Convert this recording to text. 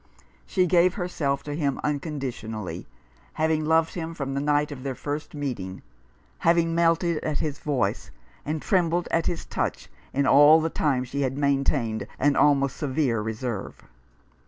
She gave herself to him unconditionally, having loved him from the night of their first meeting, having 39 Rough Justice. melted at his voice, and trembled at his touch in all the time she had maintained an almost severe reserve.